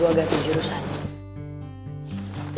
gue ganti jurusan